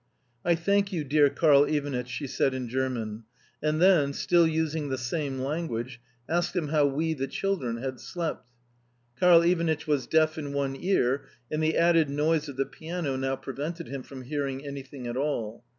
"I thank you, dear Karl Ivanitch," she said in German, and then, still using the same language asked him how we (the children) had slept. Karl Ivanitch was deaf in one ear, and the added noise of the piano now prevented him from hearing anything at all.